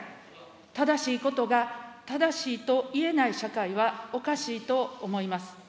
正しいことが正しいと言えない社会はおかしいと思います。